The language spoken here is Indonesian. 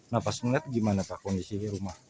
nah pas melihat gimana kondisi rumah